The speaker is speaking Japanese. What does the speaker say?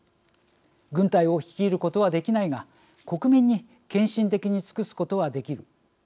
「軍隊を率いることはできないが国民に献身的に尽くすことはできる」